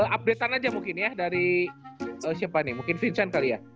update an aja mungkin ya dari siapa nih mungkin vincent kali ya